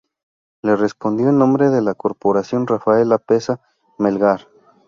Le respondió, en nombre de la corporación, Rafael Lapesa Melgar.